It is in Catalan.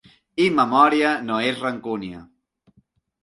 I memòria no és rancúnia.